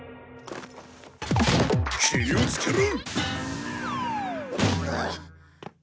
気をつけろ！